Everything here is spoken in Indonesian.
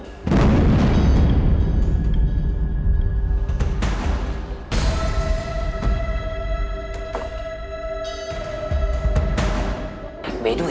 biar dia bisa kembali hidup kamu